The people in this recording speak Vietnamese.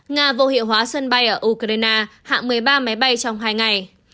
nga vô hiệu hóa sân bay ở ukraine hạng một mươi ba máy bay trong hai ngày